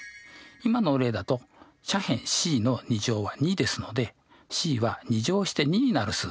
今の例だと斜辺ｃの２乗は２ですのでｃは２乗して２になる数。